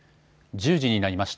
１０時になりました。